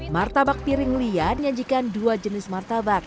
martabak piring lia menyajikan dua jenis martabak